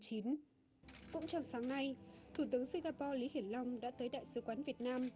cũng trong sáng nay thủ tướng singapore lý hiển long đã tới đại sứ quán việt nam